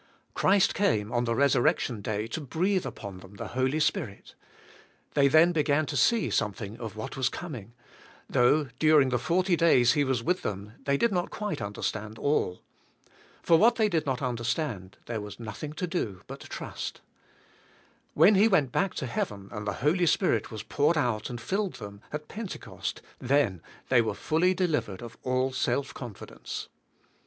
Christ came on the resur rection day to breathe upon them the Holy Spirit. They then began to see something of what was coming, though during the 40 days He was with them they did not quite understand all. For what they did not understand there was nothing to do 80 THK SPIRITUAI, LIFK. but trust. When He went back to Heaven and the Holy Spirit was poured out and filled them, at Pen tecost, then they were fully delivered of all self confidence.